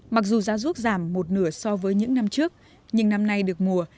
mặc dù giá ruốc giảm một nửa so với những năm trước nhưng năm nay được mùa